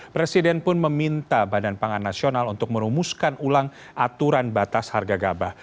presiden pun meminta badan pangan nasional untuk merumuskan ulang aturan batas harga gabah